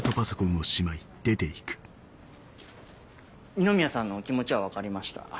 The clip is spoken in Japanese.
二宮さんのお気持ちは分かりました。